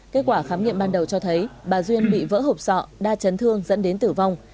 kết quả khám nghiệm ban đầu cho thấy bà duyên bị vỡ hộp sọ đa chấn thương dẫn đến tử vong